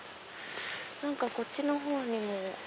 何かこっちのほうにも。